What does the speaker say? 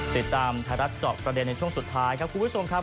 ติดตามไทยรัฐเจาะประเด็นในช่วงสุดท้ายครับคุณผู้ชมครับ